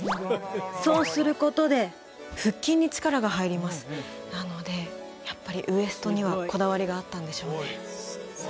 そうすることで腹筋に力が入りますなのでやっぱりウエストにはこだわりがあったんでしょうね